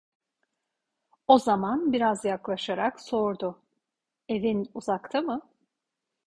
O zaman biraz yaklaşarak sordu: "Evin uzakta mı?"